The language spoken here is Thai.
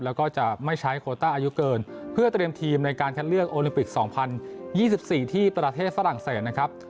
แล้วก็จะไม่ใช้โคต้าอายุเกินเพื่อเตรียมทีมในการคัดเลือกโอลิมปิก๒๐๒๔ที่ประเทศฝรั่งเศสนะครับ